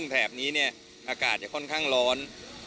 แถบนี้อากาศค่อนข้างร้อน